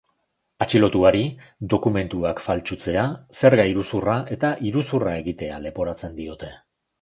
Atxilotuari dokumentuak faltsutzea, zerga iruzurra eta iruzurra egitea leporatzen diote.